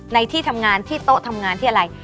ที่ทำงานที่โต๊ะทำงานที่อะไร